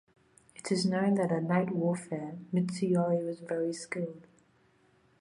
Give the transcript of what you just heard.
It is known that at night warfare, Mitsuyori was very skilled.